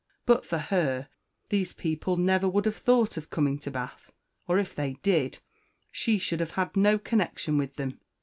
But for her these people never would have thought of coming to Bath; or if they did, she should have had no connection with them.